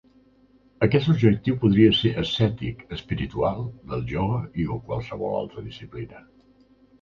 Aquest objectiu podria ser ascètic, espiritual, del ioga o qualsevol altra disciplina.